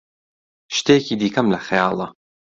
شتێکی دیکەم لە خەیاڵە.